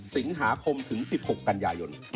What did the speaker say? สิงหาคมถึง๑๖กันยายน